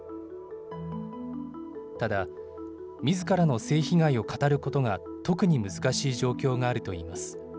ただ、みずからの性被害を語ることが特に難しい状況があるといいます。